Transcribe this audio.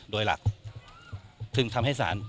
โดยหลักจึงทำให้ศาล